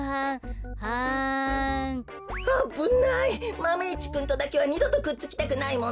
マメ１くんとだけは２どとくっつきたくないもんね。